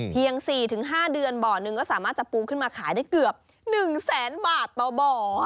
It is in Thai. ๔๕เดือนบ่อหนึ่งก็สามารถจะปูขึ้นมาขายได้เกือบ๑แสนบาทต่อบ่อ